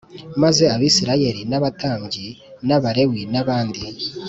Maze abisirayeli n abatambyi n abalewi n abandi